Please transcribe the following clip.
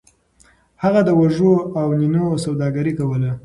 هغه د وږو او نینو سوداګري کوله.